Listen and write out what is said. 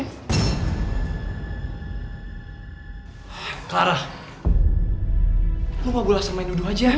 clara lo mau bulat sama nudu aja